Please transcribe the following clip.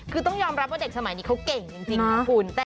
คือต้องยอมรับว่าเด็กสมัยนี้เขาเก่งจริงนะคุณ